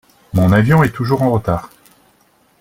Mon avion est toujours en retard.